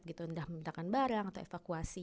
undang undang memintakan barang atau evakuasi